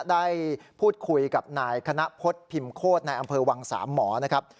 ได้พูดคุยกับนายคณะพฤษพิมพ์โคตรในอำเภอวังสามหมอนะครับ